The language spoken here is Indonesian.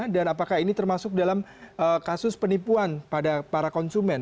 dan apakah ini termasuk dalam kasus penipuan pada para konsumen